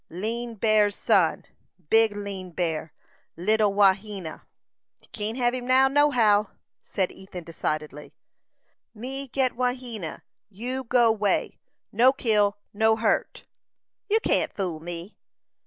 "Lean Bear's son. Big Lean Bear little Wahena." "You can't hev him, nohow," said Ethan, decidedly. "Me get Wahena you go 'way no kill, no hurt." "You can't fool me."